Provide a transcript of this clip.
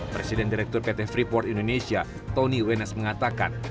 presiden direktur pt freeport indonesia tony wenas mengatakan